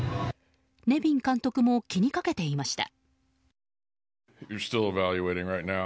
ネビン監督も気にかけていました。